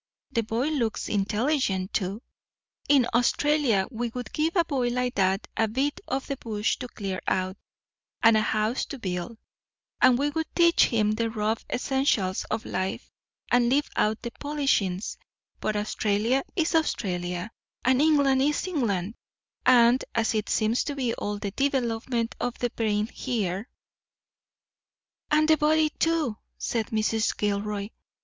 The boy looks intelligent, too. In Australia we would give a boy like that a bit of the bush to clear out, and a house to build, and we would teach him the rough essentials of life, and leave out the polishings; but Australia is Australia, and England is England; and as it seems to be all the development of the brain here——" "And the body, too," said Mrs. Gilroy.